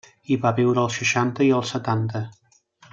Hi va viure als seixanta i als setanta.